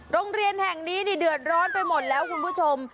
โรงเรียนแห่งนี้เดือดร้อนไปหมดแล้วคุณผู้ชม